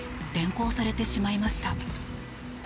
連行されてしまいました。